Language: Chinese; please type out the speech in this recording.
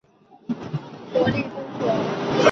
属于支笏洞爷国立公园。